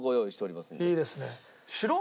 いいですね。